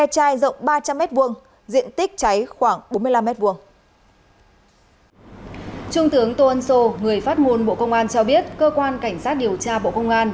trung tướng tô ân sô người phát ngôn bộ công an cho biết cơ quan cảnh sát điều tra bộ công an